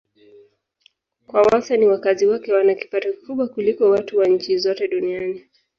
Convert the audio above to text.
Kwa wastani wakazi wake wana kipato kikubwa kuliko watu wa nchi zote duniani.